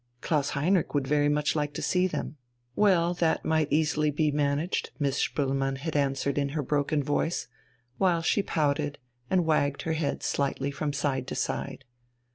Klaus Heinrich would very much like to see them! Well, that might easily be managed, Miss Spoelmann had answered in her broken voice, while she pouted and wagged her head slightly from side to side.